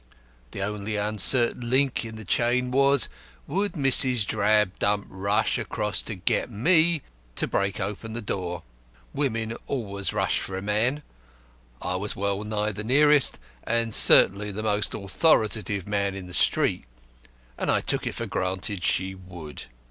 The only uncertain link in the chain was, Would Mrs. Drabdump rush across to get me to break open the door? Women always rush for a man. I was well nigh the nearest, and certainly the most authoritative man in the street, and I took it for granted she would."